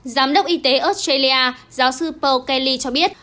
giám đốc y tế australia giáo sư paul kelly cho biết